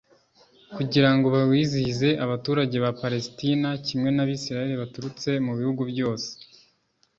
kugira ngo bawizihize abaturage ba Palestina kimwe n'abisirayeli baturutse mu bihugu byose,